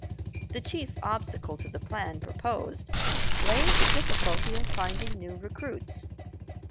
The chief obstacle to the plan proposed lay in the difficulty of finding new recruits.